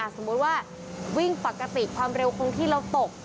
สมมุติว่าวิ่งปกติความเร็วคงที่เราตก